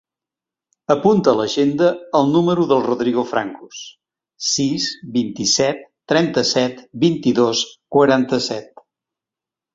Apunta a l'agenda el número del Rodrigo Francos: sis, vint-i-set, trenta-set, vint-i-dos, quaranta-set.